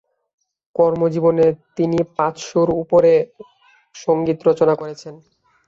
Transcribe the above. কর্মজীবনে তিনি পাঁচশো-এর উপরে সংগীত রচনা করেছেন।